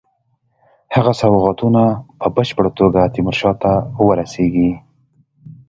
هغه سوغاتونه په بشپړه توګه تیمورشاه ته ورسیږي.